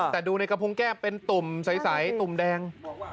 แต่ดูในกระพุงแก้มเป็นตุ่มใสตุ่มแดง